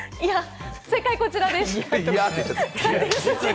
正解はこちらです。